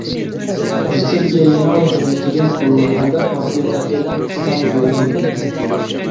Ji Tirkiyeyê nayê hêvîkirin ku li hember Partiya Karkerên Kurdistanê bêdeng bimîne.